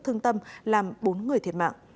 tâm làm bốn người thiệt mạng